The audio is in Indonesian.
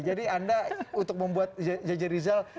jadi anda untuk membuat jj rizal